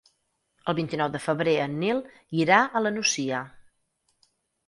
El vint-i-nou de febrer en Nil irà a la Nucia.